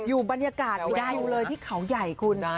อยู่บรรยากาศไม่ได้อยู่เลยที่เขาใหญ่คุณ